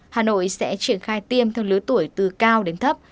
hà nội sẽ triển khai tiêm theo lứa tuổi từ cao đến thấp